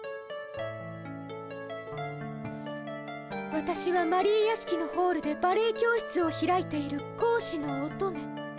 わたしはマリー屋敷のホールでバレエ教室を開いているこうしの乙女。